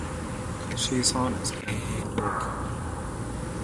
She is honest and hardworking.